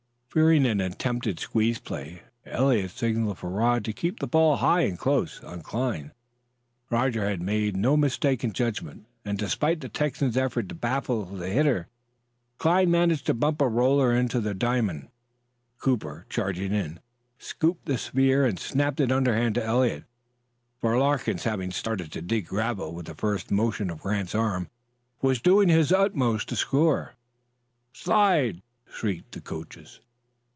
Fearing an attempted squeeze play, Eliot signaled for Rod to keep the ball high and close on Cline. Roger had made no mistake in judgment, and, despite the Texan's effort to baffle the hitter, Cline managed to bump a roller into the diamond. Cooper, charging in, scooped the sphere and snapped it underhand to Eliot; for Larkins, having started to dig gravel with the first motion of Grant's arm, was doing his utmost to score. "Slide!" shrieked the coachers.